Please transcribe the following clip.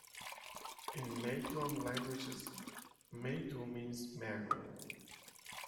In Maiduan languages, "Maidu" means "man".